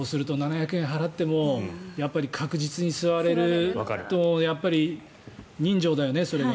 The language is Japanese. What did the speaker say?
そうすると７００円払っても確実に座れるほうが人情だよね、それが。